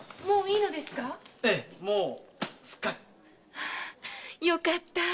ああよかったぁ。